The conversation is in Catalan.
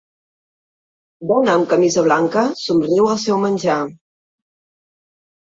Dona amb camisa blanca somriu al seu menjar.